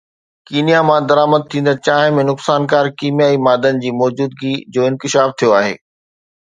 Kenya مان درآمد ٿيندڙ چانهه ۾ نقصانڪار ڪيميائي مادن جي موجودگي جو انڪشاف ٿيو آهي